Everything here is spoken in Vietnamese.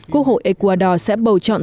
quốc hội ecuador sẽ bầu chọn